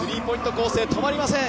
攻勢止まりません。